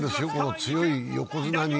強い横綱に。